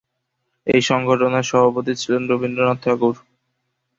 এই সংগঠনের সভাপতি ছিলেন রবীন্দ্রনাথ ঠাকুর।